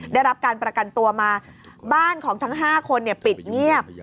ได้รับการประกันตัวมาบ้านของทั้ง๕คนปิดเงียบ